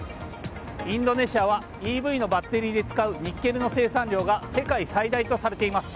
インドネシアはＥＶのバッテリーで使うニッケルの生産量が世界最大とされています。